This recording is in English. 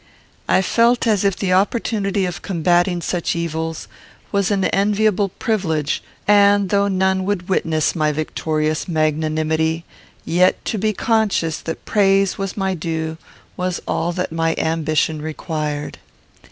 I felt as if the opportunity of combating such evils was an enviable privilege, and, though none would witness my victorious magnanimity, yet to be conscious that praise was my due was all that my ambition required.